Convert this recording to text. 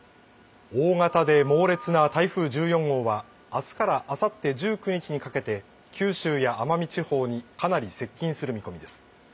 大型で猛烈な台風１４号はあすからあさって１９日にかけて九州や奄美地方にかなり接近する見込みです。